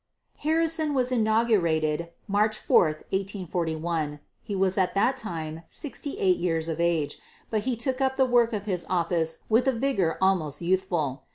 Harrison was inaugurated March 4, 1841. He was at that time sixty eight years of age, but he took up the work of his office with a vigor almost youthful.